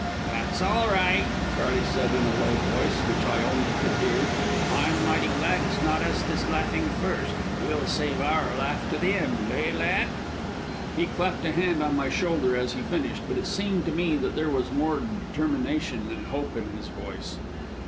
"That's all right," Charley said in a low voice, which I only could hear. "I'm mighty glad it's not us that's laughing first. We'll save our laugh to the end, eh, lad?" He clapped a hand on my shoulder as he finished, but it seemed to me that there was more determination than hope in his voice.